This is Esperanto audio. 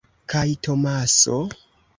Kaj Tomaso?